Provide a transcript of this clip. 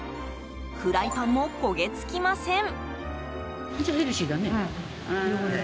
フライパンも焦げ付きません。